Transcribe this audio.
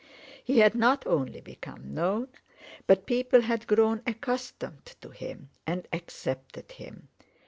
He had not only become known, but people had grown accustomed to him and accepted him.